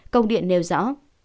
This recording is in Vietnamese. công điện nêu rõ